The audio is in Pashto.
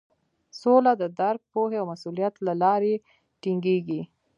سوله د درک، پوهې او مسولیت له لارې ټینګیږي.